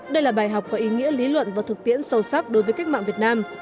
đây là bài học có ý nghĩa lý luận và thực tiễn sâu sắc đối với cách mạng việt nam